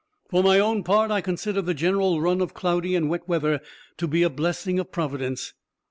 For my own part, I consider the general run of cloudy and wet weather to be a blessing of Providence.